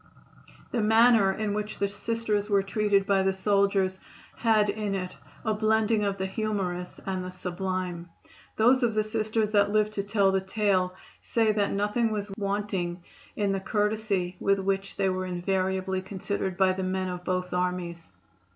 The manner in which the Sisters were treated by the soldiers had in it a blending of the humorous and the sublime. Those of the Sisters that live to tell the tale say that nothing was wanting in the courtesy with which they were invariably considered by the men of both armies.